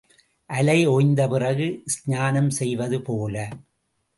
அலை ஓய்ந்த பிறகு ஸ்நானம் செய்வது போல.